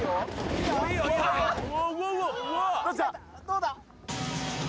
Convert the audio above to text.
・どうだ？